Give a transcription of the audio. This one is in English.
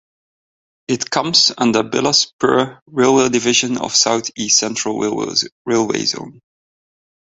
It comes under Bilaspur railway division of South East Central Railway zone.